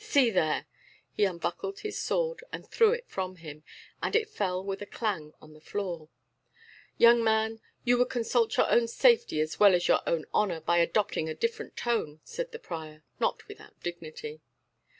See there!" He unbuckled his sword, and threw it from him, and it fell with a clang on the floor. "Young man, you would consult your own safety as well as your own honour by adopting a different tone," said the prior, not without dignity.